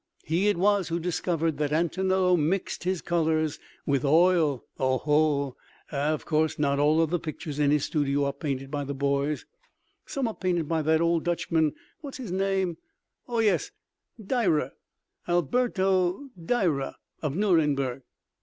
He it was who discovered that Antonello mixed his colors with oil. Oho! Of course, not all of the pictures in his studio are painted by the boys: some are painted by that old Dutchman what's his name—oh, yes, Durer, Alberto Durer of Nuremberg.